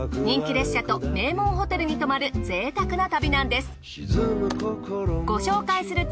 人気列車と名門ホテルに泊まる贅沢な旅なんです。